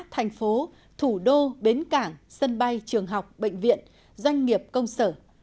thành phố thủ đô bến cảng sân bay trường học bệnh viện doanh nghiệp công sở